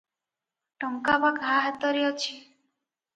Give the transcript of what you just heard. ଟଙ୍କା ବା କାହା ହାତରେ ଅଛି ।